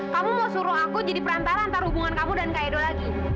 kamu mau suruh aku jadi perantara antara hubungan kamu dan kak edo lagi